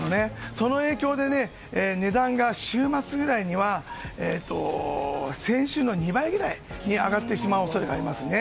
その影響で値段が週末ぐらいには先週の２倍ぐらいに上がってしまう恐れがありますね。